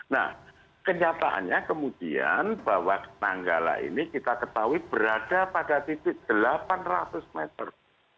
nah kenyataannya kemudian bahwa nanggala ini kita ketahui berada pada titik delapan ratus meter